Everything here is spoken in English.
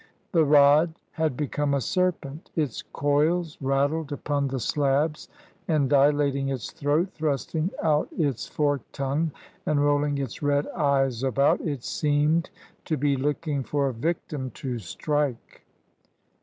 The rod had become a serpent. Its coils rattled upon the slabs, and, dilating its throat, thrusting out its forked tongue, and roUing its red eyes about, it seemed to be looking for a victim to strike.